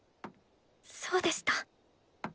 そうでした。